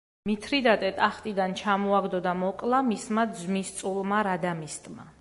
მითრიდატე ტახტიდან ჩამოაგდო და მოკლა მისმა ძმისწულმა რადამისტმა.